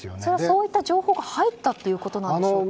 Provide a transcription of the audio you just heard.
そういった情報が入ったということなんでしょうか。